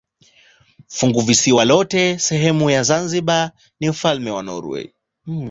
Funguvisiwa lote ni sehemu ya ufalme wa Norwei.